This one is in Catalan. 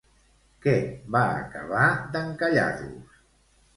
Què va acabar d'encallar-los?